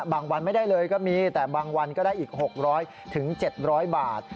วันไม่ได้เลยก็มีแต่บางวันก็ได้อีก๖๐๐๗๐๐บาท